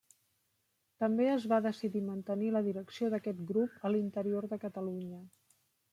També es va decidir mantenir la direcció d'aquest grup a l'interior de Catalunya.